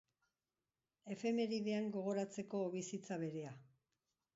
Efemeridean gogoratzeko bizitza berea.